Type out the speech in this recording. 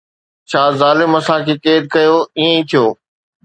ڇا ظالم اسان کي قيد ڪيو، ائين ئي ٿيو